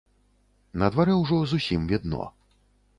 На дварэ ўжо зусім відно.